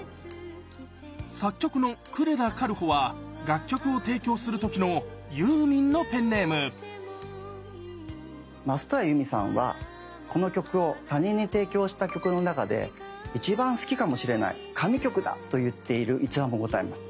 作曲の呉田軽穂は楽曲を提供する時のユーミンのペンネーム松任谷由実さんはこの曲を他人に提供した曲の中で一番好きかもしれない神曲だと言っている逸話もございます。